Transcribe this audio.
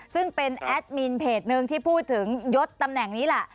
ซึ่งเป็นแอดมินเพจหนึ่งที่พูดถึงยศตำแหน่งนี้ล่ะ